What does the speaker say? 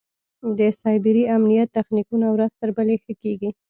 د سایبري امنیت تخنیکونه ورځ تر بلې ښه کېږي.